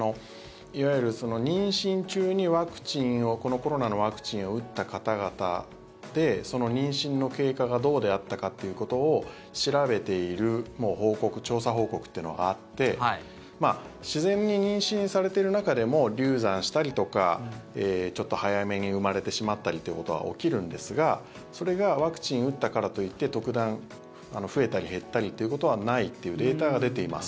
いわゆる妊娠中にワクチンをこのコロナのワクチンを打った方々で妊娠の経過がどうであったかということを調べている調査報告というのがあって自然に妊娠されている中でも流産したりとかちょっと早めに生まれてしまったりということは起きるんですがそれがワクチン打ったからといって特段、増えたり減ったりということはないというデータが出ています。